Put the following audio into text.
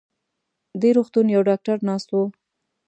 دې روغتون يو ډاکټر ناست و.